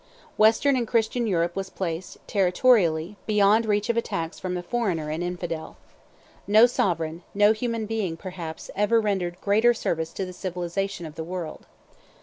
Western and Christian Europe was placed, territorially, beyond reach of attacks from the foreigner and infidel. No sovereign, no human being, perhaps, ever rendered greater service to the civilization of the world.